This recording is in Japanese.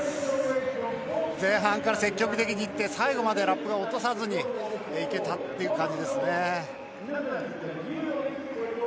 前半から積極的にいって最後までラップを落とさずにいけたという感じですね。